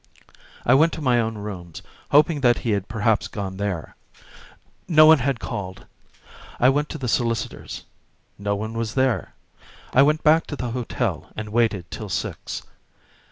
I went to my own rooms, hoping that he had perhaps gone there. No one had called. I went to the solicitor's. No one was there. I went back to the hotel, and waited till six.